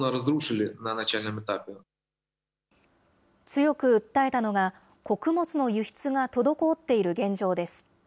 強く訴えたのが、穀物の輸出が滞っている現状です。